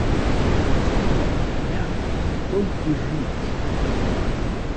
Цёпла, мякка, толькі жыць!